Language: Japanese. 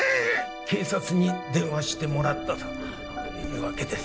警察に電話してもらったというわけです